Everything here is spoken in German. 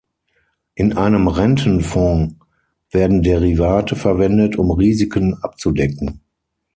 In einem Rentenfonds werden Derivate verwendet, um Risiken abzudecken.